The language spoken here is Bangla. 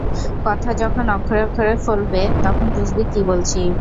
কথা যখন অক্ষরে-অক্ষরে ফলবে, তখন বুঝবি কী বলছি।